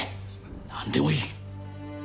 なんでもいい。